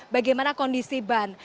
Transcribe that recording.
bagaimana kondisi banan